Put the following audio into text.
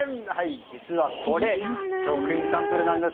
実はこれ、食品サンプルなんです。